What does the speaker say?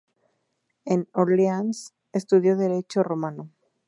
En Orleans estudió derecho romano.